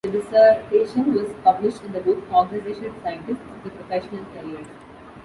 The dissertation was published in the book "Organizational Scientists: Their Professional Careers".